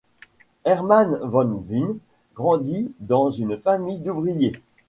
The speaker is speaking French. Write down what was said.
Herman van Veen grandit dans une famille d'ouvriers.